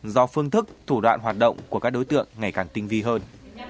do phương thức thủ đoạn hoạt động của các đối tượng ngày càng tinh vi hơn